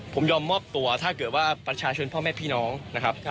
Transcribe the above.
ผมยอมมอบตัวถ้าเกิดว่าประชาชนพ่อแม่พี่น้องนะครับ